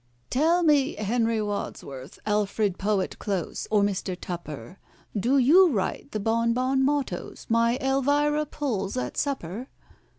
"Tell me, HENRY WADSWORTH, ALFRED POET CLOSE, or MISTER TUPPER, Do you write the bon bon mottoes my ELVIRA pulls at supper?"